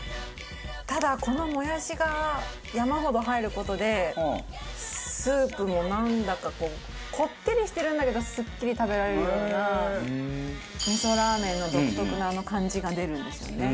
ただこのもやしが山ほど入る事でスープのなんだかこうこってりしてるんだけどすっきり食べられるような味噌ラーメンの独特なあの感じが出るんですよね。